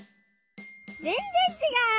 ぜんぜんちがう！